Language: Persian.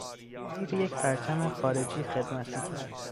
او زیر یک پرچم خارجی خدمت میکرد.